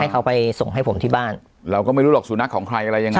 เขาไปส่งให้ผมที่บ้านเราก็ไม่รู้หรอกสุนัขของใครอะไรยังไง